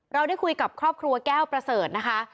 เราได้คุยกับครอบครัวแก้วประเสริฐนะคะ